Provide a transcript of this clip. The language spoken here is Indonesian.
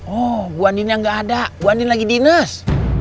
oh bu andinnya nggak ada bu andin lagi dinas